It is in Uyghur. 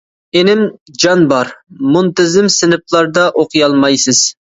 ئىنىم جان بار، مۇنتىزىم سىنىپلاردا ئوقۇيالمايسىز.